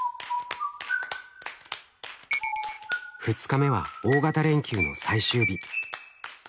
２日目は大型連休の最終日。